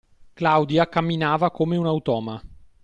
Claudia camminava come un automa.